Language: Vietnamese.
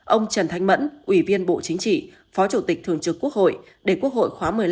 ông trần thanh mẫn ủy viên bộ chính trị phó chủ tịch thường trực quốc hội để quốc hội khóa một mươi năm